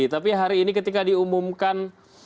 tapi hari ini ketika diumumkan